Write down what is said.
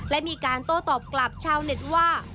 และมีการโต้ตอบกลับชาวเน็ตว่า